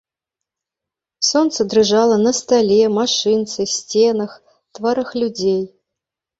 Сонца дрыжала на стале, машынцы, сценах, тварах людзей.